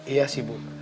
iya sih bu